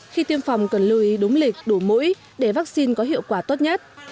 khi tiêm phòng cần lưu ý đúng lịch đủ mũi để vaccine có hiệu quả tốt nhất